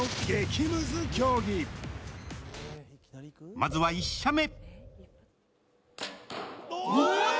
まずは１射目。